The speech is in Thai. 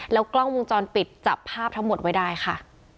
กล้องวงจรปิดจับภาพทั้งหมดไว้ได้ค่ะ